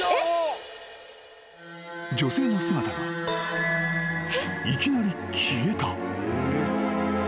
［女性の姿がいきなり消えた］